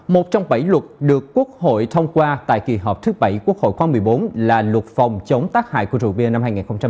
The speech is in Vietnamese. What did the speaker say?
một trong bảy luật được quốc hội thông qua tại kỳ họp thứ bảy quốc hội khóa một mươi bốn là luật phòng chống tác hại của rượu bia năm hai nghìn một mươi tám